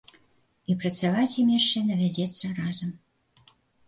І працаваць ім яшчэ давядзецца разам.